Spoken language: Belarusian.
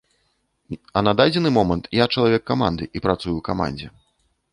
А на дадзены момант я чалавек каманды і працую ў камандзе.